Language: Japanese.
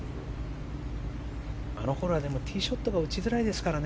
あのフォローはティーショットが打ちづらいですからね。